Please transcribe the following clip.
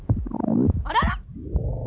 あらら？